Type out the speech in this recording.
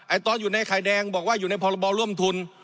ตอนอยู่ในไข่แดงบอกว่าอยู่ในพรบร่วมทุน